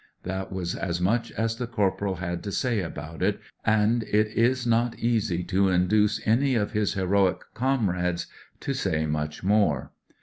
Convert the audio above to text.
That was as much as the corporal had to say about it, and it is not easy to induce any of his heroic comrades to say much more.